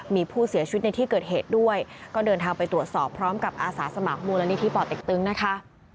มีผู้เสียชีวิตในที่เกิดเหตุด้วยก็เดินทางไปตรวจสอบพร้อมกับอาสาสมัครมูลนิธิป่อเต็กตึงนะคะ